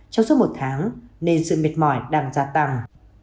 trong suốt một tháng nên sự mệt mỏi đang gia tăng